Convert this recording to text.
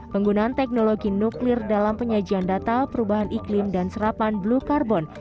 penggunaan teknologi nuklir dalam penyajian data perubahan iklim dan serapan blue carbon